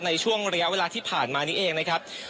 ในช่วงระยะเวลาที่ผ่านมานี้เองนะครับ